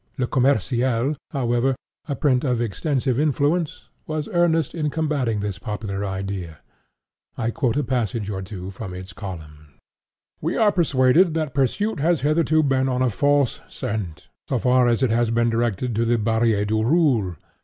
Le Commerciel, (*11) however, a print of extensive influence, was earnest in combating this popular idea. I quote a passage or two from its columns: "We are persuaded that pursuit has hitherto been on a false scent, so far as it has been directed to the Barrière du Roule.